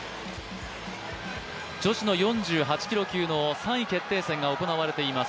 女子の４８キロ級の３位決定戦が行われています。